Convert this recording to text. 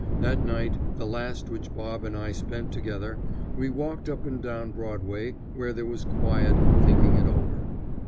That night, the last which Bob and I spent together, we walked up and down Broadway, where there was quiet, thinking it over.